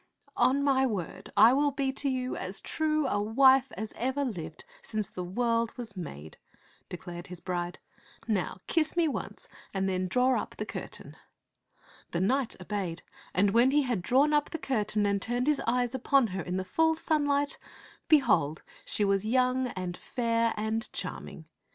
" On my word I will be to you as true a wife as ever lived since the world was made," declared his bride. " Now kiss me once and then draw up the curtain." The knight obeyed; and when he had drawn up the curtain and turned his eyes upon her in the full sunlight, behold, she was young and fair and charm ing.